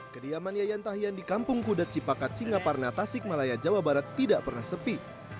kediaman yayan tahyan di kampung kudat cipakat singaparna tasik malaya jawa barat tidak pernah sepi